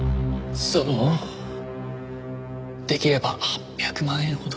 そのできれば８００万円ほど。